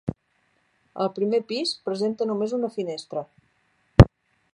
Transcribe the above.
Al primer pis presenta només una finestra.